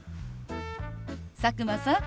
佐久間さん